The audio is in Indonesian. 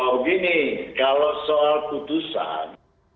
oh gini kalau soal putusan